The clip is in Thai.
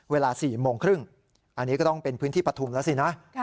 เวลา๔โมงครึ่งอันนี้ก็ต้องเป็นพื้นที่ปฐุมแล้วสินะ